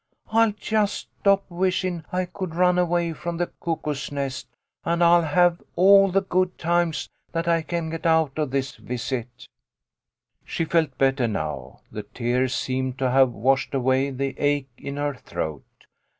I'll just stop wishin' I could run away from the Cuckoo's Nest, and I'll have all the good times that I can get out of this visit." 7O THE LITTLE COLONEL'S HOLIDAYS. She felt better now. The tears seemed to have washed away the ache in her throat.